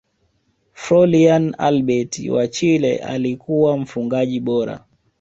frolian albert wa chile alikuwa mfungaji bora